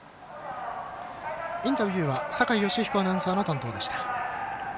インタビューは酒井良彦アナウンサーの担当でした。